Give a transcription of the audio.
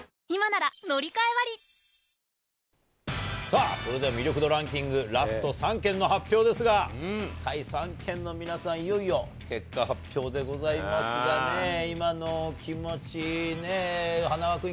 さあ、それでは魅力度ランキング、ラスト３県の発表ですが、下位３県の皆さん、いよいよ結果発表でございますがね、今の気持ち、ねえ、はなわ君、